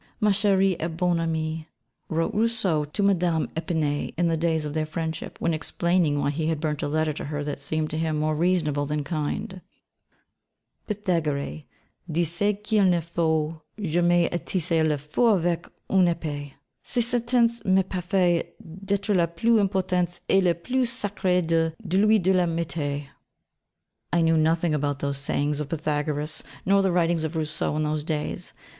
'Ma chère et bonne amie,' wrote Rousseau to Madame d'Epinay in the days of their friendship, when explaining why he had burnt a letter to her that seemed to him more reasonable than kind: '_Pythagore disait qu'il ne faut jamais attiser le feu avec une épée. Cette sentence me paraît être la plus importante et la plus sacrée des lois de l'amitié_.' I knew nothing about the sayings of Pythagoras, nor the writings of Rousseau in those days.